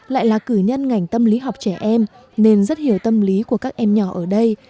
lại là cử nhân ngành tâm lý học trẻ em nên rất hiểu tâm lý của các em nhỏ ở đây